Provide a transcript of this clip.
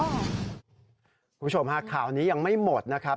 คุณผู้ชมฮะข่าวนี้ยังไม่หมดนะครับ